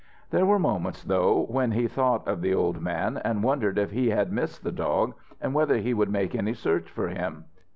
There were moments, though, when he thought of the old man, and wondered if he had missed the dog and whether he would make any search for him.